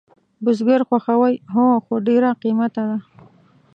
برګر خوښوئ؟ هو، خو ډیر قیمته ده